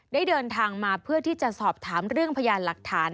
เดินทางมาเพื่อที่จะสอบถามเรื่องพยานหลักฐาน